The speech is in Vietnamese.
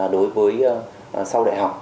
đối với sau đại học